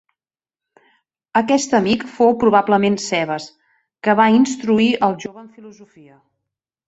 Aquest amic fou probablement Cebes, que va instruir al jove en filosofia.